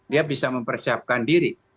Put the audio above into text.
dia bisa mempersiapkan diri